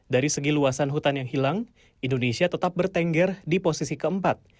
dari segi luasan hutan yang hilang indonesia tetap bertengger di posisi keempat